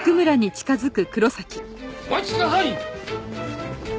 お待ちください！